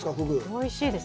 おいしいです。